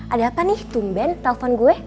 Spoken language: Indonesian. ada apa nih tumben telpon gue